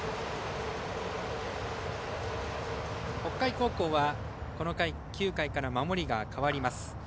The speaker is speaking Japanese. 北海高校は９回から守りが代わります。